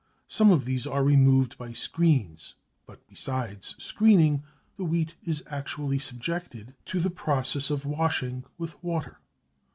Some of these are removed by screens, but besides screening the wheat is actually subjected to the process of washing with water.